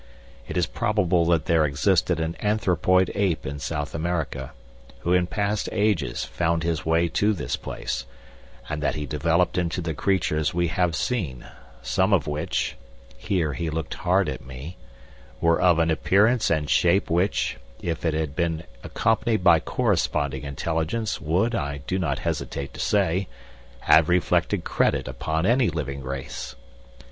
It is probable that there existed an anthropoid ape in South America, who in past ages found his way to this place, and that he developed into the creatures we have seen, some of which" here he looked hard at me "were of an appearance and shape which, if it had been accompanied by corresponding intelligence, would, I do not hesitate to say, have reflected credit upon any living race.